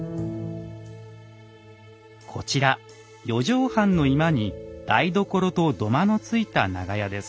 こちら四畳半の居間に台所と土間のついた長屋です。